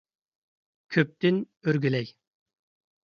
«كۆپ»تىن ئۆرگىلەي!